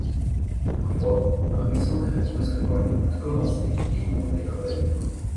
Parfois un ruisseau crève brusquement une voûte commencée et inonde les travailleurs.